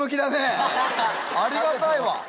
ありがたいわ。